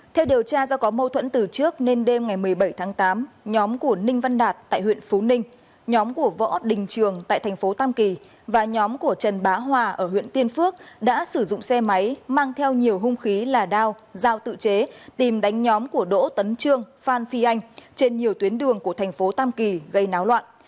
theo điều tra do có mâu thuẫn từ trước nên đêm ngày một mươi bảy tháng tám nhóm của ninh văn đạt tại huyện phú ninh nhóm của võ đình trường tại tp tam kỳ và nhóm của trần bá hòa ở huyện tiên phước đã sử dụng xe máy mang theo nhiều hung khí là đao giao tự chế tìm đánh nhóm của đỗ tấn trương phan phi anh trên nhiều tuyến đường của tp tam kỳ gây náo loạn